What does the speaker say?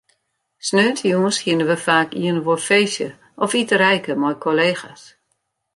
Sneontejûns hiene we faak ien of oar feestje of iterijke mei kollega's.